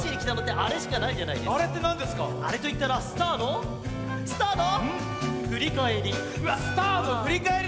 あれといったらスターのスターのふりかえり。